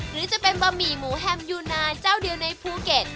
หรือจะเป็นบะหมี่หมูแฮมยูนาเจ้าเดียวในภูเก็ต